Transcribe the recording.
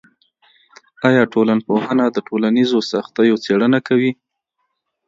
آیا ټولنپوهنه د ټولنیزو سختیو څیړنه کوي؟